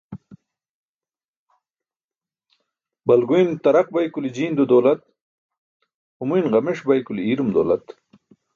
Balguyn taraq bay kuli jiindo dawlat, humuyn ġameṣ bay kuli iirum dawlat.